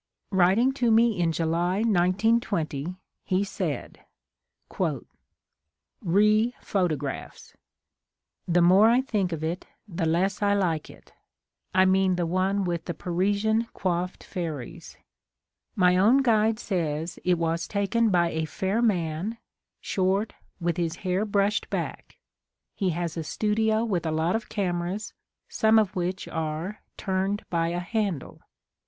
Writ ing to me in July 1920, he said : ^'Be Pilot ograplis : The more I think of it the less I like it (I mean the one with the Parisian coiffed fairies). My own guide says it was taken by a fair man, short, with his hair brushed back ; he has a studio with a lot of cameras, some of which are * turned by a handle.